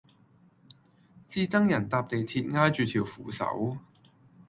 至憎人搭地鐵挨住條扶手